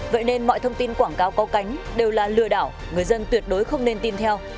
vậy nên mọi thông tin quảng cáo cao cánh đều là lừa đảo người dân tuyệt đối không nên tin theo